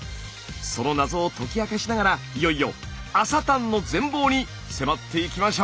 その謎を解き明かしながらいよいよ朝たんの全貌に迫っていきましょう！